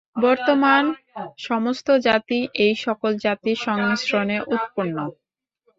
বর্তমান সমস্ত জাতিই এই সকল জাতির সংমিশ্রণে উৎপন্ন।